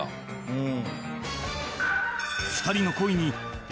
うん。